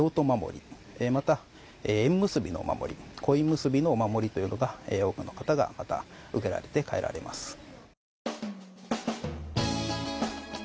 恋結びのお守りというのが多くの方が受けられて帰られます。